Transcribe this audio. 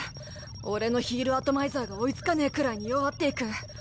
俺のヒールアトマイザーが追い付かねえくらいに弱っていく。